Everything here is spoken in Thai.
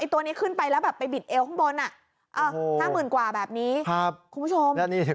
ตัวนี้ขึ้นไปแล้วแบบไปบิดเอลข้างบนน่าหมื่นกว่าแบบนี้